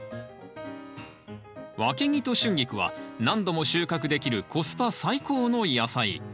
ワケギとシュンギクは何度も収穫できるコスパ最高の野菜。